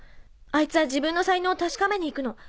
あいつは自分の才能を確かめに行くの。